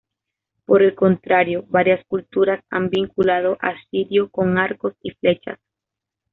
Por el contrario, varias culturas han vinculado a Sirio con arcos y flechas.